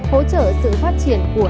hỗ trợ sự phát triển của